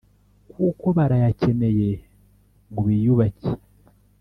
kuko barayakeneye ngo biyubake